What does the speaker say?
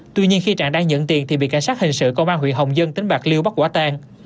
tuy nhiên khi trạng đang nhận tiền thì bị cảnh sát hình sự công an huyện hồng dân tỉnh bạc liêu bắt quả tang